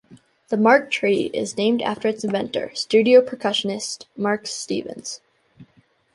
The mark tree is named after its inventor, studio percussionist Mark Stevens.